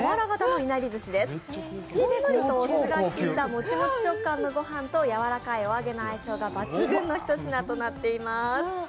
ほんのりとお酢がきいたもちもち食感のご飯とやわらかいお揚げの相性が抜群のひと品となっています。